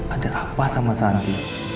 ada apa sama santi